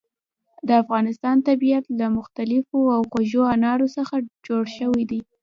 د افغانستان طبیعت له مختلفو او خوږو انارو څخه جوړ شوی دی.